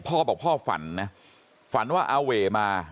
พ่อบอกพ่อฝันนะฝันว่าอาเวมา